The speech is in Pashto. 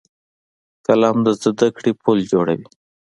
قلم د زده کړې پل جوړوي